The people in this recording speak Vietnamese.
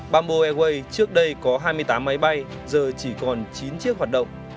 bamboo airways trước đây có hai mươi tám máy bay giờ chỉ còn chín chiếc hoạt động